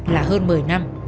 là hơn một mươi năm